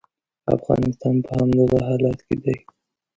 افغانستان په همدغه حالت کې دی.